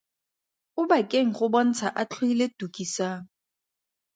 Obakeng go bontsha a tlhoile Tukisang.